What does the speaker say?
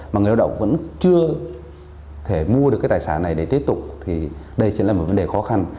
mà người lao động vẫn chưa thể mua được cái tài sản này để tiếp tục thì đây sẽ là một vấn đề khó khăn